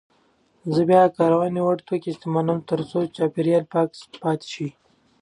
زه د بیاکارونې وړ توکي استعمالوم ترڅو چاپیریال پاک پاتې شي.